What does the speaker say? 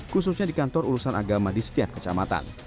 khususnya di kantor urusan agama di setiap kecamatan